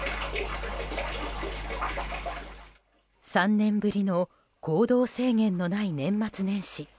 ３年ぶりの行動制限のない年末年始。